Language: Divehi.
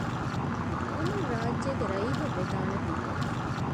އުމަރު ރާއްޖޭގެ ރައީހަށް ވެދާނެތަ؟